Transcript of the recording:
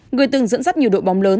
người từng dẫn dắt nhiều đội bóng lớn